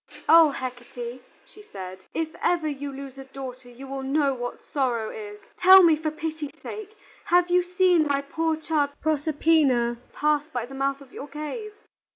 "O Hecate," she said, "if ever you lose a daughter you will know what sorrow is. Tell me, for pity's sake, have you seen my poor child Proserpina pass by the mouth of your cave?"